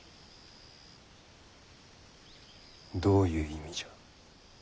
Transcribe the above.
どういう意味じゃ。